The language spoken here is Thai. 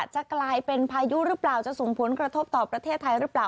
จะกลายเป็นพายุหรือเปล่าจะส่งผลกระทบต่อประเทศไทยหรือเปล่า